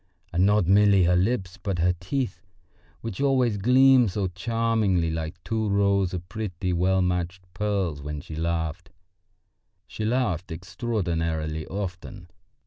And not merely her lips, but her teeth, which always gleamed so charmingly like two rows of pretty, well matched pearls when she laughed. She laughed extraordinarily often.